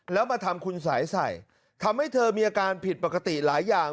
แล้วมาทำคุณสายใส่ทำให้เธอมีอาการผิดปกติหลายอย่าง